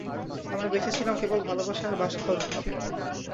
আমরা বেঁচেছিলাম কেবল ভালোবাসা আর বাসি পাউরুটি খেয়ে।